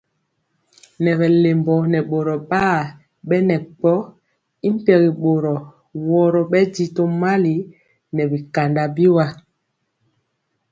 Nɛ bɛ lɛmbɔ nɛ boro bar bɛnɛ gkɔ y mpegi boro woro bɛndiɔ tomali nɛ bikanda biwa.